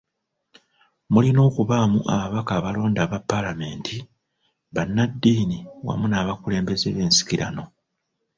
Mulina okubaamu ababaka abalonde aba Paalamenti, bannaddiini wamu n'abakulembeze b'ensikirano.